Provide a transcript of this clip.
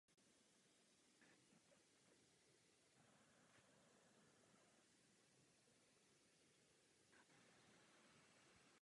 Aktuálně jezdí za tým Lupus Racing Team.